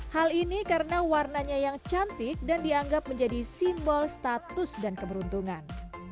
hal ini karena warnanya yang cantik dan dianggap menjadi simbol status dan keberuntungan